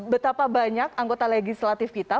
betapa banyak anggota legislatif kita